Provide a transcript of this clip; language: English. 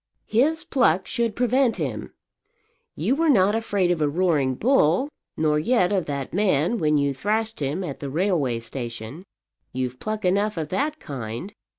"His pluck should prevent him. You were not afraid of a roaring bull, nor yet of that man when you thrashed him at the railway station. You've pluck enough of that kind.